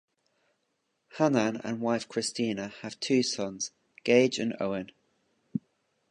Hannan and wife Kristina have two sons - Gage and Owen.